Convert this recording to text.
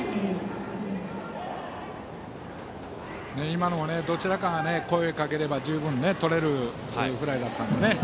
今のもどちらかが声をかければ十分とれるフライだったので。